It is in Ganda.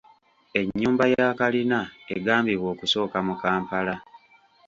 Ennyumba ya kalina egambibwa okusooka mu Kampala.